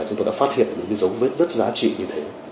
chúng tôi đã phát hiện những dấu vết rất giá trị như thế